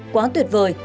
quá tuyệt vời